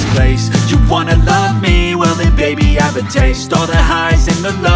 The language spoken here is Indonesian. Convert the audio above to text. karena kau berusaha